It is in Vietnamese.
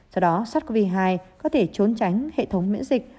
do đó sars cov hai có thể trốn tránh hệ thống miễn dịch